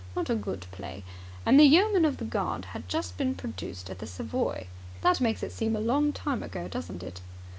Not a good play. And the Yeoman of the Guard had just been produced at the Savoy. That makes it seem a long time ago, doesn't it?